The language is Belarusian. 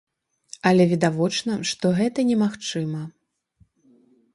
Але відавочна, што гэта немагчыма.